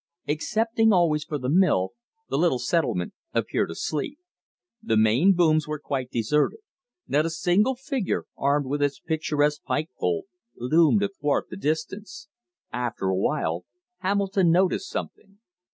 Excepting always for the mill, the little settlement appeared asleep. The main booms were quite deserted. Not a single figure, armed with its picturesque pike pole, loomed athwart the distance. After awhile Hamilton noticed something.